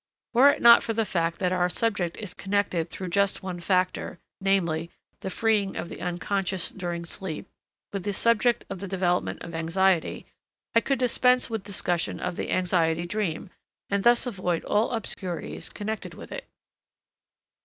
Were it not for the fact that our subject is connected through just one factor, namely, the freeing of the Unc. during sleep, with the subject of the development of anxiety, I could dispense with discussion of the anxiety dream, and thus avoid all obscurities connected with it.